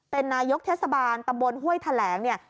เป็นนายกเทศบาลตำบลห้วยแถลงเนี่ย